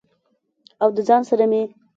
او د ځان سره مې